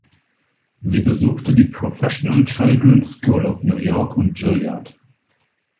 Sie besuchte die Professional Children's School of New York und Juilliard.